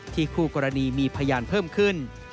คู่กรณีมีพยานเพิ่มขึ้น